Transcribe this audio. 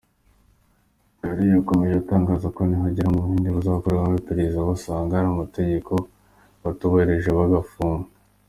Khare yakomeje atangaza ko nibagera mu Buhinde bazakorwaho iperereza basanga hari amategeko batubahirijwe bagafungwa.